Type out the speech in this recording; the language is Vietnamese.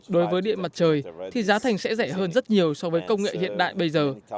đối với điện mặt trời thì giá thành sẽ rẻ hơn rất nhiều so với công nghệ hiện đại bây giờ